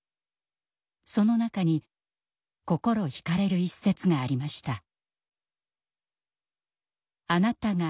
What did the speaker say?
その中に心惹かれる一節がありました。